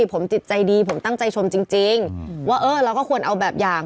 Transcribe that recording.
ผมจิตใจดีผมตั้งใจชมจริงว่าเออเราก็ควรเอาแบบอย่าง